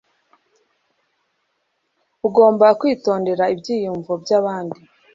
Ugomba kwitondera ibyiyumvo byabandi.